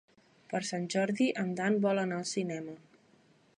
Per Sant Jordi en Dan vol anar al cinema.